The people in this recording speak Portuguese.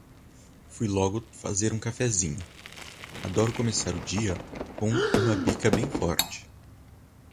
Fui logo fazer um cafézinho. Adoro começar o dia com uma bica bem forte.